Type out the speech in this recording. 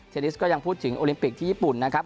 ดิสก็ยังพูดถึงโอลิมปิกที่ญี่ปุ่นนะครับ